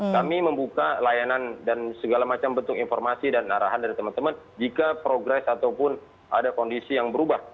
kami membuka layanan dan segala macam bentuk informasi dan arahan dari teman teman jika progres ataupun ada kondisi yang berubah